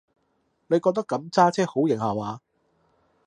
你覺得噉揸車好型下話？